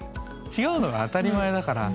違うのが当たり前だから。